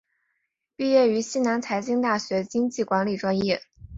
毕业于西南财经大学经济管理专业。